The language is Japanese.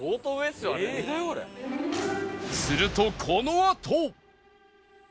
するとこのあと